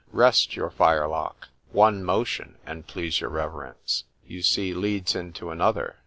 "Rest your firelock;"—one motion, an' please your reverence, you see leads into another.